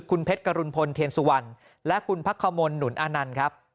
คุณเพชรกรุณพลเทียนสุวรรณและคุณพักขมลหนุนอานันต์ครับ